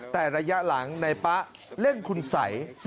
แต่ระยะหลังในป๊าเล่นขุนใส